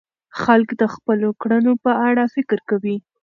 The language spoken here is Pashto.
خلک د خپلو کړنو په اړه فکر کوي.